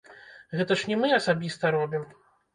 Гэта ж не мы асабіста робім.